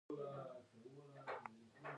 دوی په کال کې لسمه برخه کلیسا ته سپارله.